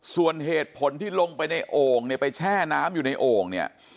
ส่วนเหตุผลที่ลงไปในโอ่งเนี่ยไปแช่น้ำอยู่ในโอ่งเนี่ย